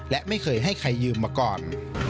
และไม่เคยให้ใครยืมมาก่อน